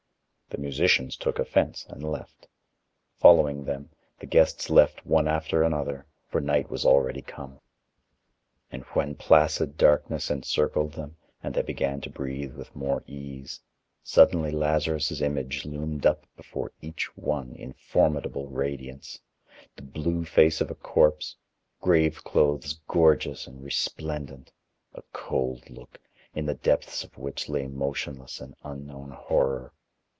The musicians took offense and left. Following them, the guests left one after another, for night was already come. And when placid darkness encircled them and they began to breathe with more ease, suddenly Lazarus' image loomed up before each one in formidable radiance: the blue face of a corpse, grave clothes gorgeous and resplendent, a cold look, in the depths of which lay motionless an unknown horror.